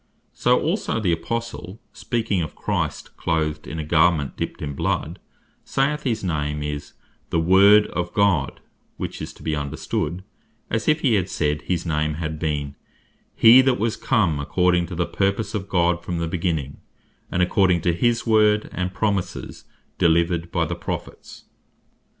So also (Apocalypse 19.13.) the Apostle speaking of Christ, clothed in a garment dipt in bloud, saith; his name is "the Word of God;" which is to be understood, as if he had said his name had been, "He that was come according to the purpose of God from the beginning, and according to his Word and promises delivered by the Prophets."